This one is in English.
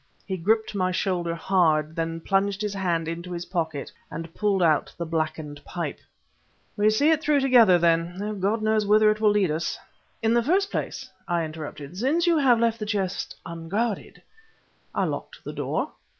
He gripped my shoulder hard, then plunged his hand into his pocket and pulled out the blackened pipe. "We see it through together, then, though God knows whither it will lead us." "In the first place," I interrupted, "since you have left the chest unguarded " "I locked the door."